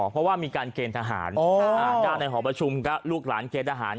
เพราะว่ามีการเกณฑ์ทหารด้านในหอประชุมก็ลูกหลานเกณฑ์ทหาร